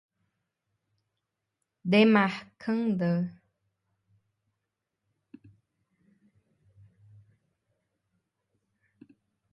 demarcanda